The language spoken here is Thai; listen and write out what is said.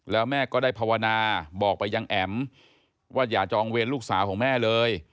แล้วแม่ก็ได้ภาวนาบอกไปยังแอ๋มว่าอย่าจองเวรลูกสาวของแม่เลย